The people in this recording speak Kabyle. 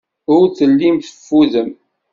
Ur tellim teffudem.